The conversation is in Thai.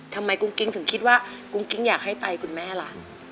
กุ้งกิ๊งถึงคิดว่ากุ้งกิ๊งอยากให้ไตคุณแม่ล่ะ